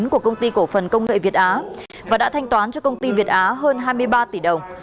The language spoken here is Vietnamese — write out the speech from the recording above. của công ty cổ phần công nghệ việt á và đã thanh toán cho công ty việt á hơn hai mươi ba tỷ đồng